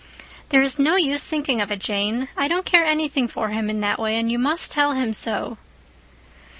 "There is no use thinking of it, Jane. I don't care anything for him in that way, and you must tell him so."